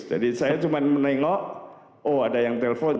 jadi saya cuma menengok oh ada yang telpon